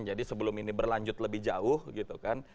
jadi sebelum ini berlanjut lebih jauh gitu kan